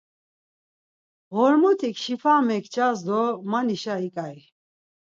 Ğormotik şifa mekças do manişa ik̆ai.